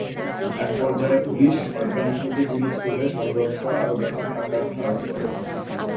একপর্যায়ে police shotgun থেকে গুলি ছুড়লে সংঘর্ষ আরও ব্যাপক আকার ধারণ করে।